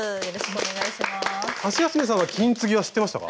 ハシヤスメさんは金継ぎは知ってましたか？